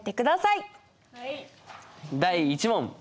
第１問！